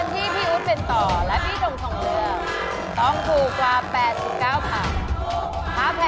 เจ็บไม่ต้องเต็ม